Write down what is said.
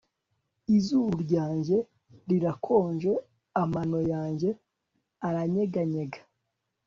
Izuru ryanjye rirakonje amano yanjye aranyeganyega